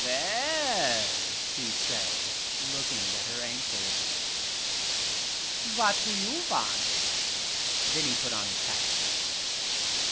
"Veil," he said, looking at her ankles. "Vat do you want?" Then he put on his hat.